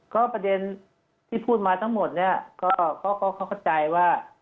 ก็ประเด็นที่พูดมาทั้งหมดเนี่ยก็เขาเข้าใจว่า